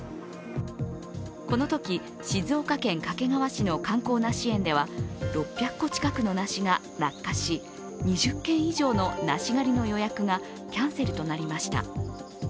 このとき静岡県掛川市の観光梨園では６００個近くの梨が落下し、２０件以上の梨狩りの予約がキャンセルとなりました。